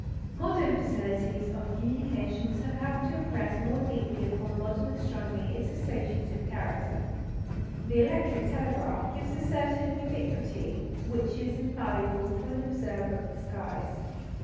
Modern facilities of communication have helped to impress more deeply upon modern astronomy its associative character. The electric telegraph gives a certain ubiquity which is invaluable to an observer of the skies.